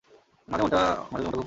মাঝে-মাঝে মনটা খুবই খারাপ হয়।